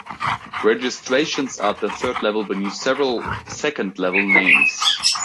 Registrations are at the third level beneath several second level names.